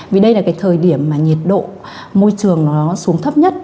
vì đây là cái thời điểm mà nhiệt độ môi trường nó xuống thấp nhất